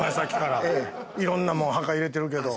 いろんなもん墓入れてるけど。